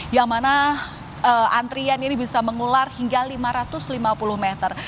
yang mana antrian ini bisa mengular hingga lima ratus lima puluh meter